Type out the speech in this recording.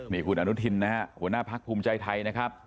นี่คุณอนุทินนะฮะหัวหน้าพักภูมิใจไทยนะครับ